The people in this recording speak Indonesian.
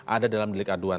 ada dalam delik aduan